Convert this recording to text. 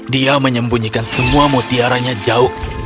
dia menyembunyikan semua mutiaranya jauh